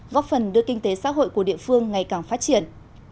góp phần đưa kinh tế xã hội của địa phương ngày càng phát triển